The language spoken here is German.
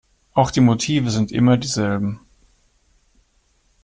Auch die Motive sind immer dieselben.